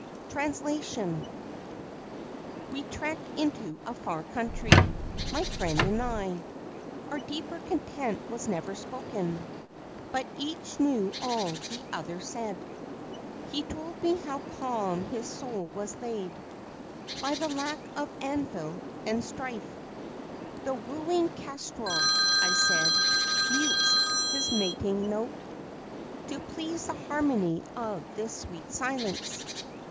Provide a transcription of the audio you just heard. TRANSLATION We trekked into a far country, My friend and I. Our deeper content was never spoken, But each knew all the other said. He told me how calm his soul was laid By the lack of anvil and strife. "The wooing kestrel," I said, "mutes his mating note To please the harmony of this sweet silence."